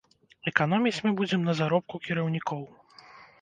Эканоміць мы будзем на заробку кіраўнікоў.